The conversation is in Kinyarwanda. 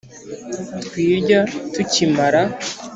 Twirya tukimara